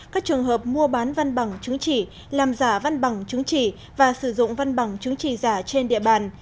các trường hợp mua bán văn bằng chứng chỉ làm giả văn bằng chứng chỉ và sử dụng văn bằng chứng chỉ giả trên địa bàn